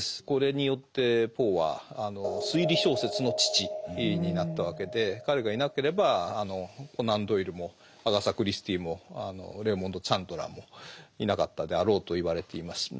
これによってポーは推理小説の父になったわけで彼がいなければあのコナン・ドイルもアガサ・クリスティもレイモンド・チャンドラーもいなかったであろうといわれています。